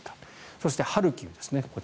そしてハルキウですね。